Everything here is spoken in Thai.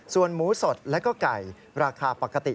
ส่วนหมูสดแล้วก็ไก่ราคาปกติ